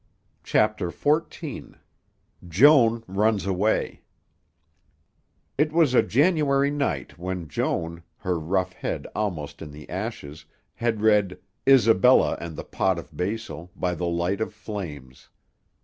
CHAPTER XIV JOAN RUNS AWAY It was a January night when Joan, her rough head almost in the ashes, had read "Isabella and the Pot of Basil" by the light of flames.